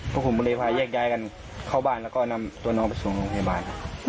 พวกผมก็เลยพาแยกย้ายกันเข้าบ้านแล้วก็นำตัวน้องไปส่งโรงพยาบาลครับ